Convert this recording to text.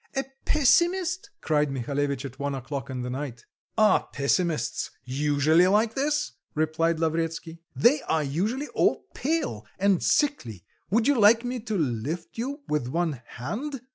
a pessimist?" cried Mihalevitch at one o'clock in the night. "Are pessimists usually like this?" replied Lavretsky. "They are usually all pale and sickly would you like me to lift you with one hand?"